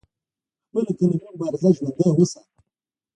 خپله قلمي مبارزه ژوندۍ اوساتله